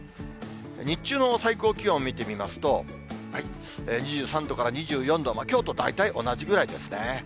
日中の最高気温見てみますと、２３度から２４度、きょうと大体同じぐらいですね。